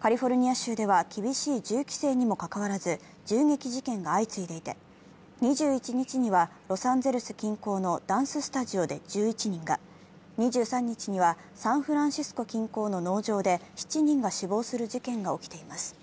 カリフォルニア州では厳しい銃規制にもかかわらず銃撃事件が相次いでいて、２１日にはロサンゼルス近郊のダンススタジオで１１人が、２３日にはサンフランシスコ近郊の農場で７人が死亡する事件が起きています